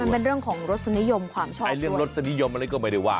มันเป็นเรื่องของรสนิยมความชอบเรื่องรสนิยมอะไรก็ไม่ได้ว่า